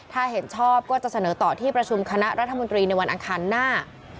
ถ้าเห็นชอบก็จะเสนอต่อที่ประชุมคณะรัฐมนตรีในวันอังคารหน้า